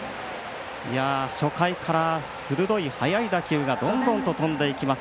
初回から鋭い速い打球がどんどん飛んでいきます